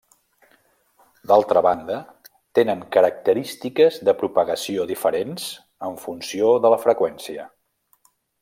D'altra banda, tenen característiques de propagació diferents en funció de la freqüència.